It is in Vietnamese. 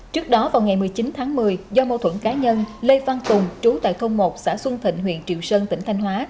trước đó vào ngày một mươi chín tháng một mươi do mâu thuẫn cá nhân lê văn tùng trú tại công một xã xuân thịnh huyện triệu sơn tỉnh thanh hóa